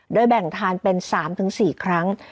โดยแบ่งทานเป็น๓๔ครั้ง